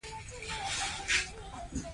پښتو ژبه به تل وځلیږي.